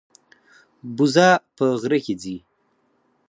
بوزه په غره کې ځي.